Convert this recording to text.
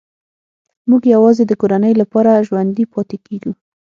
موږ یوازې د کورنۍ لپاره ژوندي پاتې کېږو